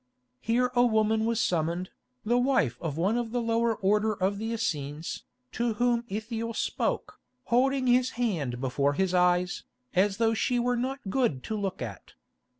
Here a woman was summoned, the wife of one of the lower order of the Essenes, to whom Ithiel spoke, holding his hand before his eyes, as though she were not good to look at.